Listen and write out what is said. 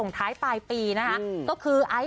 น่ารักทั้งคู่เลย